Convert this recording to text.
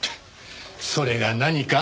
それが何か？